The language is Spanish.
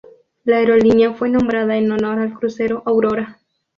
La aerolínea fue nombrada en honor al crucero "Aurora".